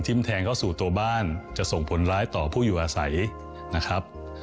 แทงเข้าสู่ตัวบ้านจะส่งผลร้ายต่อผู้อยู่อาศัยนะครับ